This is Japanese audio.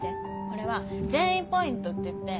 これは善意ポイントっていって。